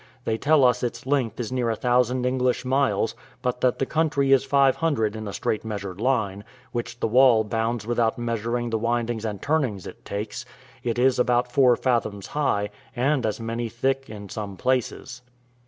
They tell us its length is near a thousand English miles, but that the country is five hundred in a straight measured line, which the wall bounds without measuring the windings and turnings it takes; it is about four fathoms high, and as many thick in some places.